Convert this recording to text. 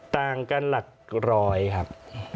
ต่างกันหลักร้อยครับ